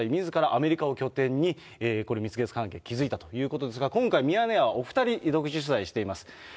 アメリカを拠点に蜜月関係を築いたということですが、今回、ミヤネ屋はお２人、独自取材しています。